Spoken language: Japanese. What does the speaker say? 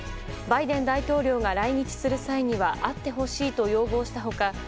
バイデン大統領が来日する際には会ってほしいと要望した他